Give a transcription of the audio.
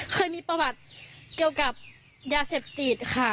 เคยมีประวัติเกี่ยวกับยาเสพติดค่ะ